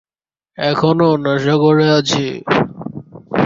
এখনো নেশা করে আছি।